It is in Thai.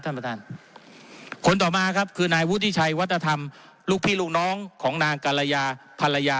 ท่านประธานคนต่อมาครับคือนายวุฒิชัยวัฒนธรรมลูกพี่ลูกน้องของนางกรยาภรรยา